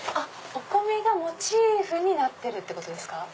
お米がモチーフになってるってことですか？